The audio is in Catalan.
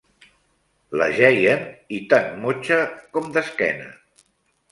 L'ajeien, i tan motxa com d'esquena